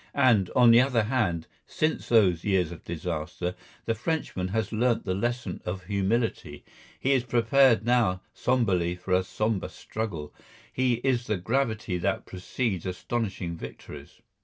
And, on the other hand, since those years of disaster, the Frenchman has learnt the lesson of humility; he is prepared now sombrely for a sombre struggle; his is the gravity that precedes astonishing victories.